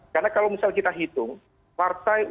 karena kalau misalnya kita hitung